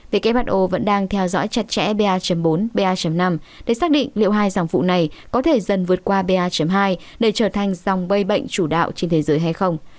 who vẫn đang theo dõi chặt chẽ ba bốn ba năm để xác định liệu hai dòng vụ này có thể dần vượt qua ba hai để trở thành dòng bay bệnh chủ đạo trên thế giới hay không